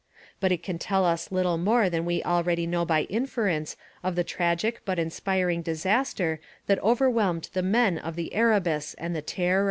But it can tell us little more than we already know by inference of the tragic but inspiring disaster that overwhelmed the men of the Erebus and the Terror.